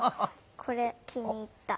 これ気に入った。